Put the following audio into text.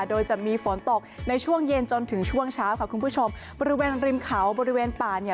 โดยจะมีฝนตกในช่วงเย็นจนถึงช่วงเช้าค่ะคุณผู้ชมบริเวณริมเขาบริเวณป่าเนี่ย